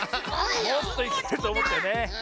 もうちょっといけるとおもったよね。